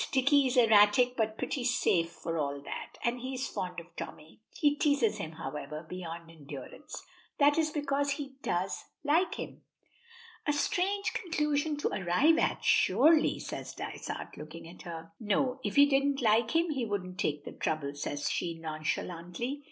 Dicky is erratic, but pretty safe, for all that. And he is fond of Tommy." "He teases him, however, beyond endurance." "That is because he does like him." "A strange conclusion to arrive at, surely," says Dysart, looking at her. "No. If he didn't like him, he wouldn't take the trouble," says she, nonchalantly.